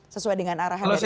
sesuai dengan arahan mereka